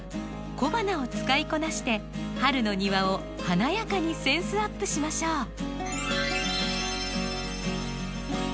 小花を使いこなして春の庭を華やかにセンスアップしましょう！